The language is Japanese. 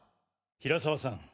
平沢さん